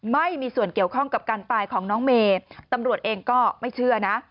ไม่มีส่วนเกี่ยวข้องกับการตายของน้องเมย์ตำรวจเองก็ไม่เชื่อนะ